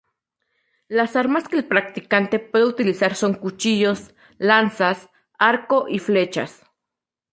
Las armas que el practicante puede utilizar son cuchillos, lanzas, arco y flechas.